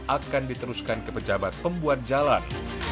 akan diteruskan ke pejabat pembuat jalan